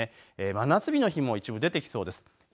真夏日の日も一部出てきそうです。